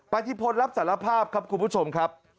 ธิพลรับสารภาพครับคุณผู้ชมครับ